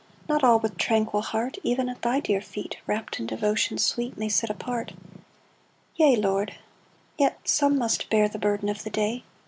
Not all with tranquil heart, Even at thy dear feet, Wrapped in devotion sweet, May sit apart ! Yea, Lord !— Yet some must bear The burden of the day.